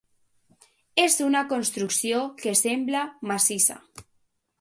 És una construcció que sembla massissa.